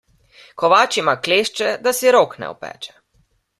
Kovač ima klešče, da si rok ne opeče.